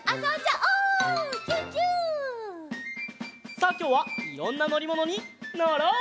さあきょうはいろんなのりものにのろう！